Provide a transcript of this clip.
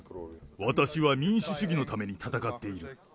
私は民主主義のために戦っている。